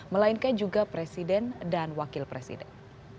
melainkan juga presiden dan wakil presiden